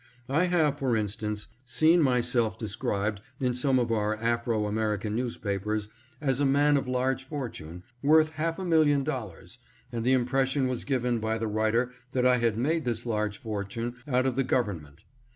I have, for instance, seen myself described, in some of our Afro American news papers, as a man of large fortune, worth half a million of dollars, and the impression was given by the writer that I had made this large fortune out of the Govern FALSE IMPRESSIONS AS TO HIS WEALTH. 641 ment.